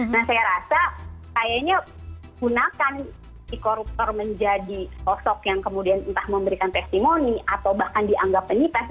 nah saya rasa kayaknya gunakan si koruptor menjadi sosok yang kemudian entah memberikan testimoni atau bahkan dianggap penipes